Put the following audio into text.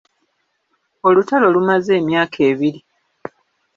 Olutalo lumaze emyaka ebiri.